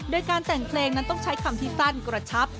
โดยการแต่งเพลงนั้นต้องใช้คำที่สั้นกระชับ